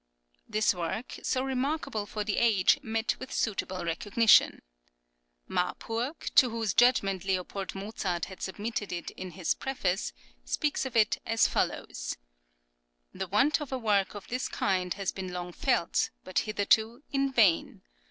This work, so remarkable for the age, met with suitable recognition. Marpurg, to whose judgment L. Mozart had {CHILDHOOD.} (16) submitted it in his preface, speaks of it as follows: [10021] "The want of a work of this kind has been long felt, but hitherto in vain.